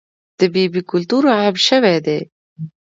د بیمې کلتور عام شوی دی؟